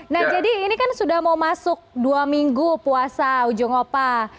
nah jadi ini kan sudah mau masuk dua minggu puasa ujung opa